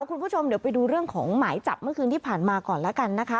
คุณผู้ชมเดี๋ยวไปดูเรื่องของหมายจับเมื่อคืนที่ผ่านมาก่อนแล้วกันนะคะ